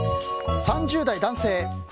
３０代男性。